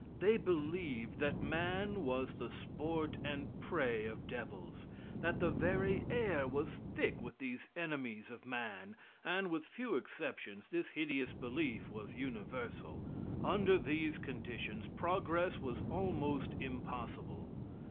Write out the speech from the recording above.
They believed that man was the sport and prey of devils; that the very air was thick with these enemies of man, and, with few exceptions, this hideous belief was universal. Under these conditions progress was almost impossible.